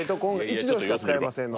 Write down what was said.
１度しか使えませんので。